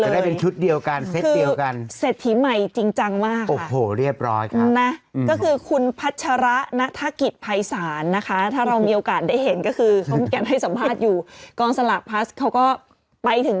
ก็เห็นหน้าค่าตากันไปเขามารับเงินเรียบร้อยนะคะโอ้โหมีตัวต้น